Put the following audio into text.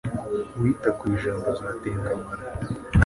Uwita ku ijambo azatengamara